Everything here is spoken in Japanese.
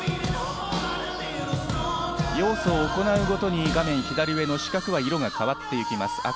要素を行うごとに画面左上の四角は色が変わって行きます。